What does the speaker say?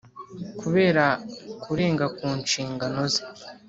kubera kurenga ku nshingano ze